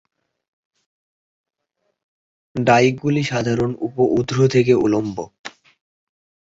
ডাইকগুলি সাধারণত উপ-ঊর্ধ্ব থেকে উল্লম্ব।